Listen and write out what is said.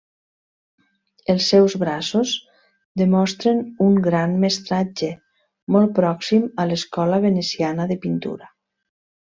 Els seus braços demostren un gran mestratge molt pròxim a l'escola veneciana de pintura.